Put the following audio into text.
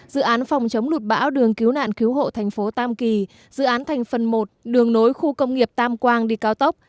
dự án phòng chống lụt bão đường cứu nạn cứu hộ thành phố tam kỳ dự án thành phần một đường nối khu công nghiệp tam quang đi cao tốc